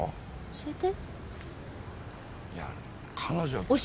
教えて！